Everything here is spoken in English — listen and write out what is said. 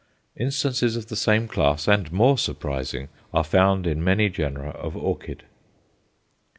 Instances of the same class and more surprising are found in many genera of orchid.